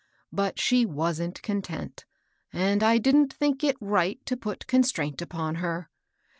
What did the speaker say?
But she wasn't content, and I didn't think it right to put constraint upon her.